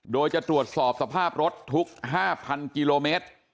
โดยจะตรวจสอบสภาพรถทุก๕๐๐กิโลเมตร